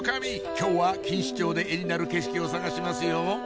今日は錦糸町で絵になる景色を探しますよ